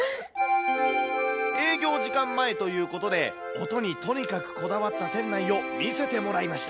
営業時間前ということで、音にとにかくこだわった店内を見せてもらいました。